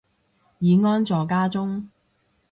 已安坐家中